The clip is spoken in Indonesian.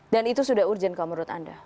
dan itu sudah urgent kalau menurut anda